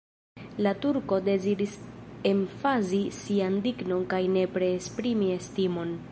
La turko deziris emfazi sian dignon kaj nepre esprimi estimon.